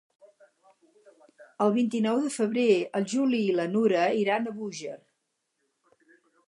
El vint-i-nou de febrer en Juli i na Nura iran a Búger.